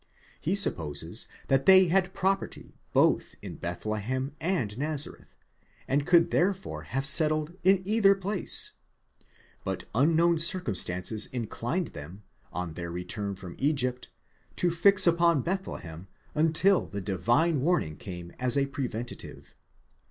He supposes that they had property both in Bethlehem and Nazareth, and could therefore have settled in either place, but unknown circumstances inclined them, on their return from Egypt, to fix upon Bethlehem until the divine warning came as a preventive.